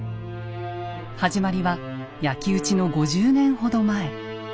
始まりは焼き打ちの５０年ほど前。